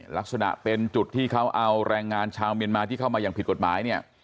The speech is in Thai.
ลักษณะเป็นจุดที่เขาเอาแรงงานชาวเมียนมาที่เข้ามาอย่างผิดกฎหมายเนี่ย